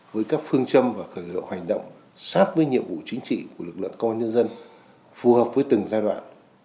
với các phương châm và khởi liệu hành động sát với nhiệm vụ chính trị của lực lượng công an nhân dân phù hợp với từng giai đoạn